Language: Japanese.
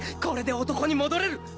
これで男に戻れる！